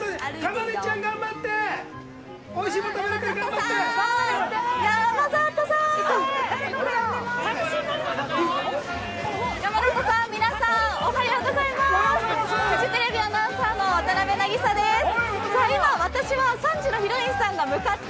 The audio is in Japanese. かなでちゃん頑張って。